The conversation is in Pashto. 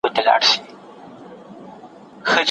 بیا د ده پر ځای د بل حریص نوبت وي